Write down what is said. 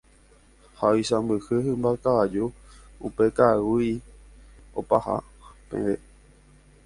ha oisãmbyhy hymba kavaju upe ka'aguy'i opaha peve.